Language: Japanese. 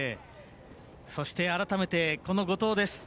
そして改めてこの後藤です。